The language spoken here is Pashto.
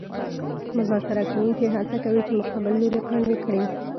مذاکره کوونکي هڅه کوي چې مقابل لوری قانع کړي